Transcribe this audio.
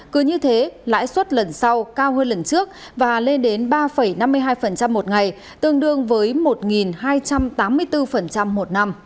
cứ như thế lãi suất lần sau cao hơn lần trước và lên đến ba năm mươi hai một ngày tương đương với một hai trăm tám mươi bốn một năm